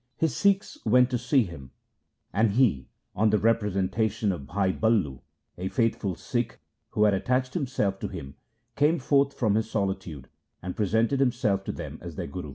His Sikhs went to see him, and he, on the representation of Bhai Ballu, a faith ful Sikh who had attached himself to him, came forth from his solitude and presented himself to them as their Guru.